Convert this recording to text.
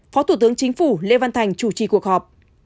phó thủ tướng chính phủ lê văn thành chủ trì cuộc họp